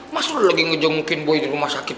mas lo lagi ngejengukin boy di rumah sakit